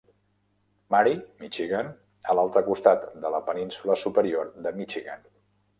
Marie (Michigan) a l'altre costat de la Península Superior de Michigan.